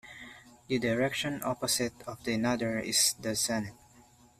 The direction opposite of the nadir is the zenith.